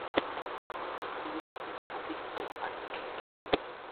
Das Gebiet ist mit tropischem Regenwald bedeckt.